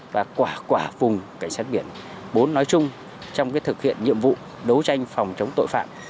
và quả quả vùng cảnh sát biển bốn nói chung trong thực hiện nhiệm vụ đấu tranh phòng chống tội phạm